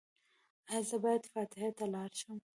ایا زه باید فاتحې ته لاړ شم؟